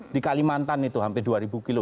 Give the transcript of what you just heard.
di kalimantan itu hampir dua ribu kilo